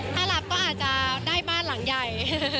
ถ้ารับก็อาจจะได้บ้านหลังใหญ่